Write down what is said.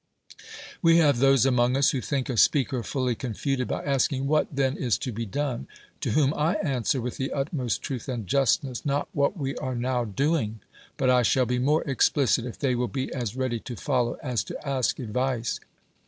We have those among us who think a speaker fully confuted by asking, "^Yhat, then, is to be done?" To whom I answer, with the utmost truth and justness, "Not what we ai e now doing." But I shall be inore explicit if they will be as ready to follow as to ask advice.